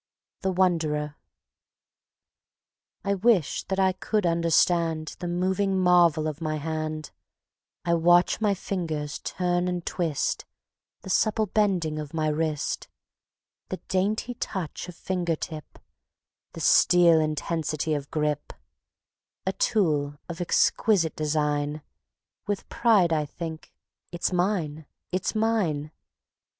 The Wonderer I wish that I could understand The moving marvel of my Hand; I watch my fingers turn and twist, The supple bending of my wrist, The dainty touch of finger tip, The steel intensity of grip; A tool of exquisite design, With pride I think: "It's mine! It's mine!"